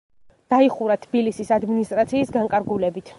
დაიხურა თბილისის ადმინისტრაციის განკარგულებით.